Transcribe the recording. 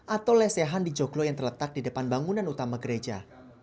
atau lesehan di joglo yang terletak di depan bangunan utama gereja